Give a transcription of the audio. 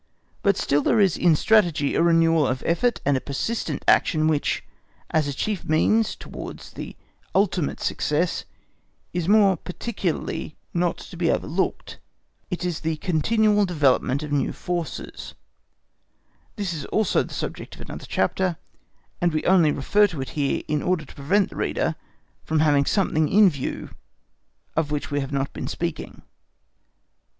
But still there is in Strategy a renewal of effort and a persistent action which, as a chief means towards the ultimate success, is more particularly not to be overlooked, it is the continual development of new forces. This is also the subject of another chapter, and we only refer to it here in order to prevent the reader from having something in view of which we have not been speaking.